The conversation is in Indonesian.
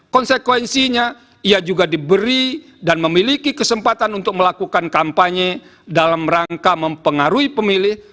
konsekuensinya ia juga diberi dan memiliki kesempatan untuk melakukan kampanye dalam rangka mempengaruhi pemilih